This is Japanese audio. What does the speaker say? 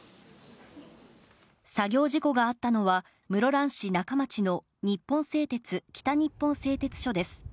作業事故があったのは、室蘭市仲町の日本製鉄北日本製鉄所です。